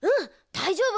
だいじょうぶ！